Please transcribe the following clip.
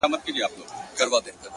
o پرده به خود نو ـ گناه خوره سي ـ